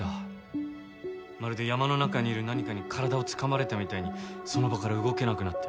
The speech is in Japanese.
まるで山の中にいる何かに体をつかまれたみたいにその場から動けなくなって。